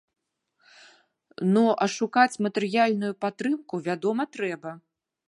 Ну, а шукаць матэрыяльную падтрымку, вядома, трэба.